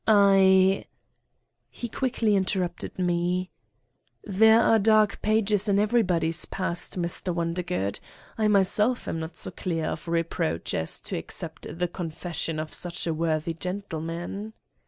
I ..." He quickly interrupted me : "There are dark pages in everybody's past, Mr. Wondergood. I myself am not so clear of re proach as to accept the confession of such a wor thy gentleman.